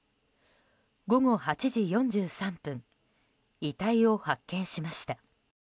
午後８時４３分遺体を発見しました。